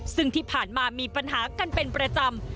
ซึ่งที่ผ่านมามีปัญหากันเป็นประจำ